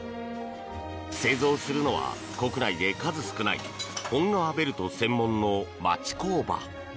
製造するのは、国内で数少ない本革ベルト専門の町工場。